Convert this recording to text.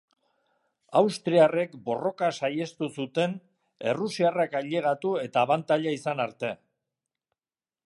Austriarrek borroka saihestu zuten errusiarrak ailegatu eta abantaila izan arte.